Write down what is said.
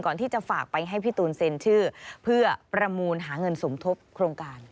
ก่อนที่จะฝากไปให้พี่ตูนเซ็นชื่อเพื่อประมูลหาเงินสมทบโครงการ